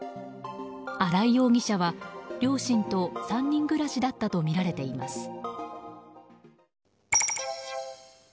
新井容疑者は両親と３人暮らしだったとみられています。